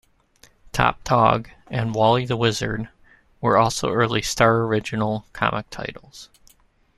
"Top Dog" and "Wally the Wizard" were also early Star original comic titles.